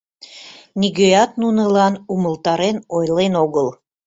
Нигӧат нунылан умылтарен ойлен огыл.